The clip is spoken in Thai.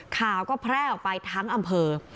ข่าวก็แพร่ออกไปทั้งอำเภอ